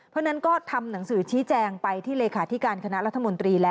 เพราะฉะนั้นก็ทำหนังสือชี้แจงไปที่เลขาธิการคณะรัฐมนตรีแล้ว